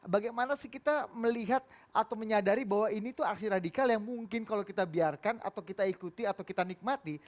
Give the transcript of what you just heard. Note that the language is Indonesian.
bagaimana sih kita melihat atau menyadari bahwa ini tuh aksi radikal yang mungkin kalau kita biarkan atau kita ikuti atau kita nikmati